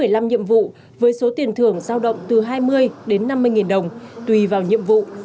mỗi ngày có từ bảy đến một mươi năm nhiệm vụ với số tiền thưởng giao động từ hai mươi đến năm mươi nghìn đồng tùy vào nhiệm vụ